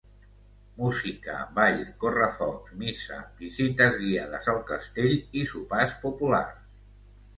Música, ball, correfocs, missa, visites guiades al castell i sopars populars.